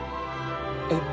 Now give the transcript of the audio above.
えっ？